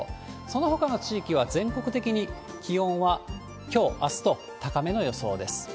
そのほかの地域は全国的に気温はきょう、あすと高めの予想です。